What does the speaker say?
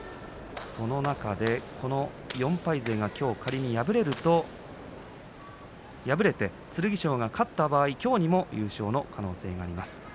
４敗勢がきょう仮に敗れて剣翔が勝った場合きょうにも優勝の可能性があります。